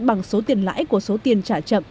bằng số tiền lãi của số tiền trả chậm